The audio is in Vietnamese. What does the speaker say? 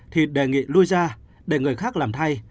thì đề nghị lui ra để người khác làm thay